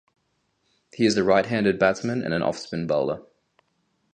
He is a right-handed batsman and an off-spin bowler.